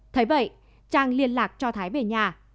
thế vậy trang liên lạc cho thái về nhà